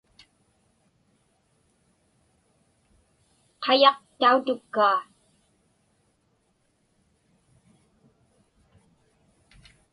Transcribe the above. Qayaq tautukkaa.